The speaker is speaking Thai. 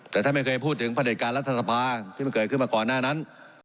แต่ท่านไม่เคยพูดถึงประเด็จการรัฐสภาที่มันเกิดขึ้นมาก่อนหน้านั้น